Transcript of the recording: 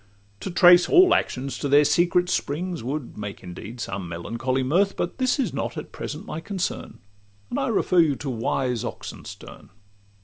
To trace all actions to their secret springs Would make indeed some melancholy mirth; But this is not at present my concern, And I refer you to wise Oxenstiern.